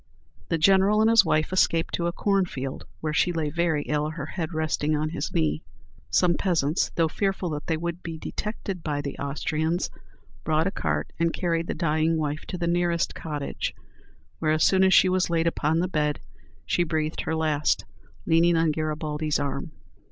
The General and his wife escaped to a cornfield, where she lay very ill, her head resting on his knee. Some peasants, though fearful that they would be detected by the Austrians, brought a cart, and carried the dying wife to the nearest cottage, where, as soon as she was laid upon the bed, she breathed her last, leaning on Garibaldi's arm.